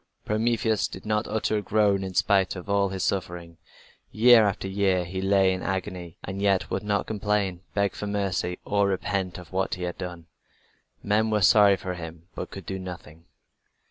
But Prometheus did not utter a groan in spite of all his sufferings. Year after year he lay in agony, and yet he would not complain, beg for mercy or repent of what he had done. Men were sorry for him, but could do nothing.